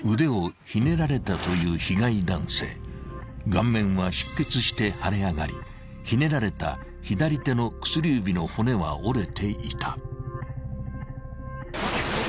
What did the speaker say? ［顔面は出血して腫れ上がりひねられた左手の薬指の骨は折れていた］